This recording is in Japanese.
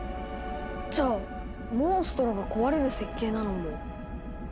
じゃあモンストロが壊れる設計なのも？